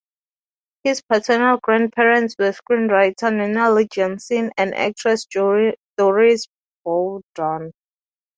His paternal grandparents were screenwriter Nunnally Johnson and actress Dorris Bowdon.